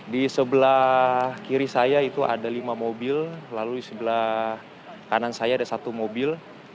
di sebelah kiri saya itu ada lima mobil lalu di sebelah kanan saya ada satu mobil